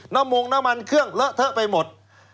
มงน้ำมันเครื่องเลอะเทอะไปหมด